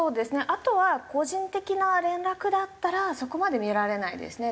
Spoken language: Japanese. あとは個人的な連絡だったらそこまで見られないですね。